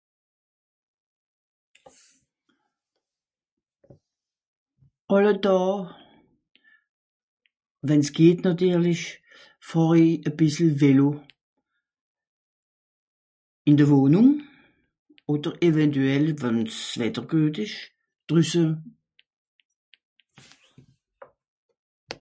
àlle Daa wenn's geht nàtirlich fàhr'i à bìssel vélo ìn de Wòhnùng òder eventuell wànn's wetter guet esch drüsse